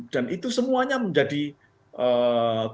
dan itu semuanya menjadi krusial